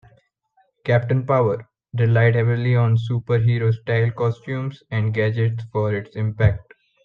"Captain Power" relied heavily on super-hero style costumes and gadgets for its impact.